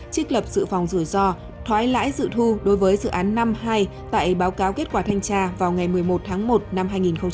trích lập dự phòng rủi ro thoái lãi dự thu đối với dự án năm hai tại báo cáo kết quả thanh tra vào ngày một mươi một tháng một năm hai nghìn hai mươi